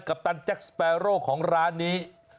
ปตันแจ็คสเปโร่ของร้านนี้